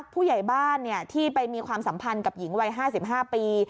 ผู้ใหญ่บ้านที่ไปมีความสัมพันธ์กับหญิงวัย๕๕ปี